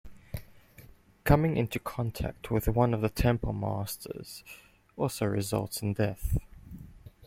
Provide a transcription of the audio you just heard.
Coming into contact with one of the temple masters also results in death.